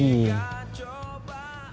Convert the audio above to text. kita meneruskan misi yang kemarin